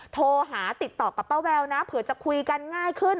โทรหาติดต่อกับป้าแววนะเผื่อจะคุยกันง่ายขึ้น